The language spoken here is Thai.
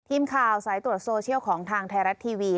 ทีมข่าวสายตรวจโซเชียลของทางไทยรัฐทีวี